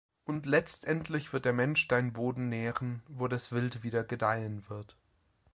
Und letztendlich wird der Mensch deinen Boden nähren, wo das Wild wieder gedeihen wird.